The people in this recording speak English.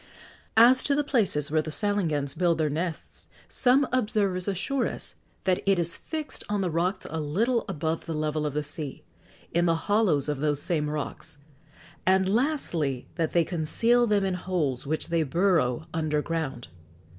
As to the places where the salangans build their nests, some observers assure us that it is fixed on the rocks a little above the level of the sea; in the hollows of those same rocks; and, lastly, that they conceal them in holes which they burrow under ground.